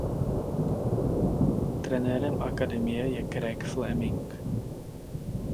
Trenérem akademie je Craig Fleming.